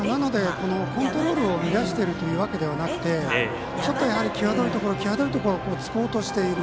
コントロールを乱しているというわけではなくてちょっとやはり際どいところ際どいところをつこうとしている。